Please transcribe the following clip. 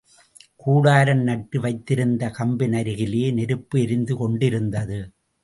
கூடாரம் நட்டு வைத்திருந்த கம்பின் அருகிலே நெருப்பு எரிந்து கொண்டிருந்தது.